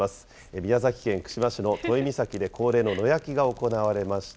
宮崎県串間市の都井岬で恒例の野焼きが行われました。